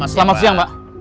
selamat siang pak